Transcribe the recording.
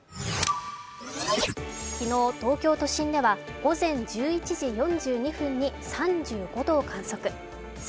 昨日、東京都心では午前１１時４２分に３５度を観測。